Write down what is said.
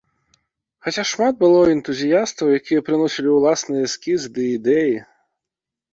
Хаця шмат было энтузіястаў, якія прыносілі ўласныя эскізы ды ідэі.